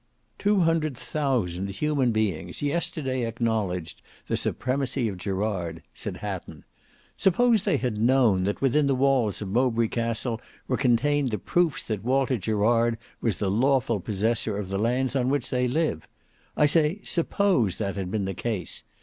"Two hundred thousand human beings yesterday acknowledged the supremacy of Gerard," said Hatton. "Suppose they had known that within the walls of Mowbray Castle were contained the proofs that Walter Gerard was the lawful possessor of the lands on which they live; I say suppose that had been the case.